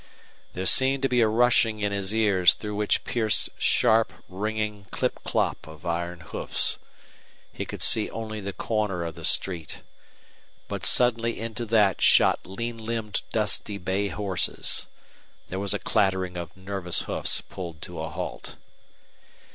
There seemed to be a rushing in his ears through which pierced sharp, ringing clip clop of iron hoofs. He could see only the corner of the street. But suddenly into that shot lean limbed dusty bay horses. There was a clattering of nervous hoofs pulled to a halt.